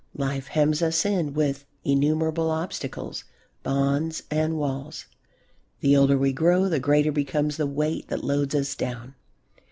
Life hems us in with innumerable obstacles, bonds, and walls. The older we grow the greater becomes the weight that loads us down.